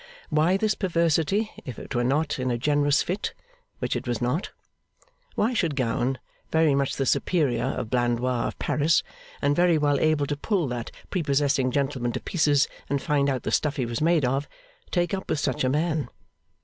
Why this perversity, if it were not in a generous fit? which it was not. Why should Gowan, very much the superior of Blandois of Paris, and very well able to pull that prepossessing gentleman to pieces and find out the stuff he was made of, take up with such a man?